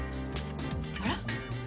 あら？